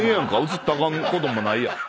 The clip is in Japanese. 映ったらあかんこともないやん。